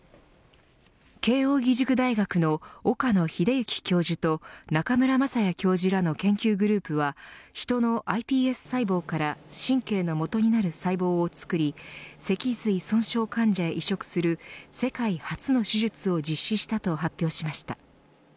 慶応義塾大学の岡野栄之教授と中村雅也教授らの研究グループは人のｉＰＳ細胞から神経の元になる細胞をつくり脊髄損傷患者へ移植する世界初の手術を実施したと発表しました。